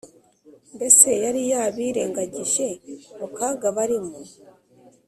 mbese yari yabirengagije mu kaga barimo